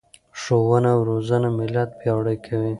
ښوونه او روزنه ملت پیاوړی کوي.